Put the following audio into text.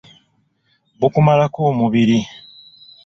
Bukumalako omubiri.